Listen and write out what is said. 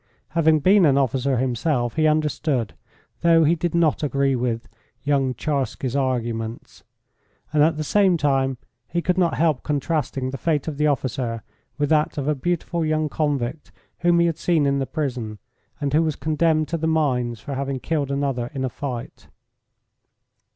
Having been an officer himself, he understood, though he did not agree with, young Tcharsky's arguments, and at the same time he could not help contrasting the fate of the officer with that of a beautiful young convict whom he had seen in the prison, and who was condemned to the mines for having killed another in a fight.